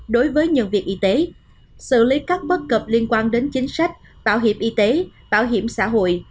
đối với nhân viên y tế xử lý các bất cập liên quan đến chính sách bảo hiểm y tế bảo hiểm xã hội